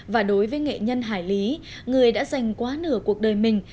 và đối với nghệ nhân hải lý người đã dành quá nửa cuộc đời mình